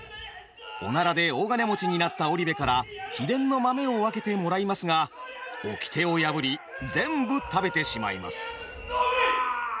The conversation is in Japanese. おならで大金持ちになった織部から秘伝の豆を分けてもらいますがおきてを破り全部食べてしまいます。